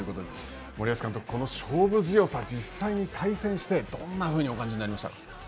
森保監督、勝負強さ、実際に対戦してどんなふうにお感じになりました？